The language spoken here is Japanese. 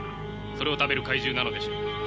それを食べる怪獣なのでしょう。